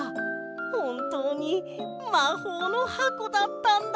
ほんとうにまほうのはこだったんだ！